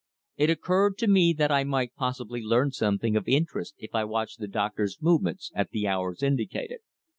It occurred to me that I might possibly learn something of interest if I watched the doctor's movements at the hours indicated.